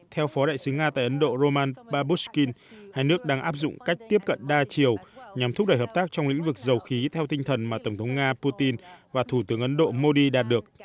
theo phó đại sứ nga tại ấn độ roman babushkin hai nước đang áp dụng cách tiếp cận đa chiều nhằm thúc đẩy hợp tác trong lĩnh vực dầu khí theo tinh thần mà tổng thống nga putin và thủ tướng ấn độ modi đạt được